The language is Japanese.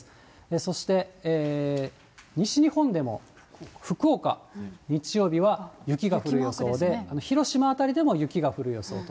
そして、西日本でも福岡、日曜日は雪が降る予報で、広島辺りでも雪が降る予想と。